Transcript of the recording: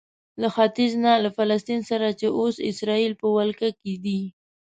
له ختیځ نه له فلسطین سره چې اوس اسراییل په ولکه کې دی.